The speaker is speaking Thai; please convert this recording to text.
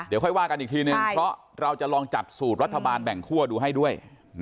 เดี๋ยวค่อยว่ากันอีกทีนึงเพราะเราจะลองจัดสูตรรัฐบาลแบ่งคั่วดูให้ด้วย